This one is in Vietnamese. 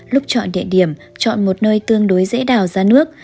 lúc chọn địa điểm chọn một nơi tương đối dễ đào ra nước